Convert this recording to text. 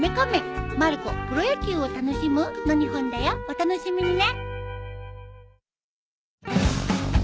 お楽しみにね。